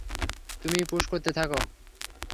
তুমিই পুশ করতে থাকো।